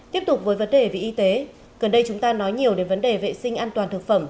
tiếp tục với vấn đề về y tế gần đây chúng ta nói nhiều đến vấn đề vệ sinh an toàn thực phẩm